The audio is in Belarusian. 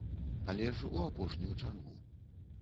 Але ж у апошнюю чаргу.